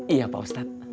iya pak ustadz